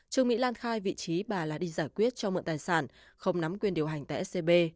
trương mỹ lan khai vị trí bà là đi giải quyết cho mượn tài sản không nắm quyền điều hành tại scb